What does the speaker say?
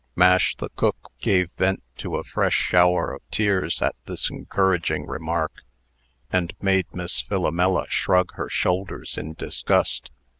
Mash, the cook, gave vent to a fresh shower of tears at this encouraging remark, and made Miss Philomela shrug her shoulders in disgust.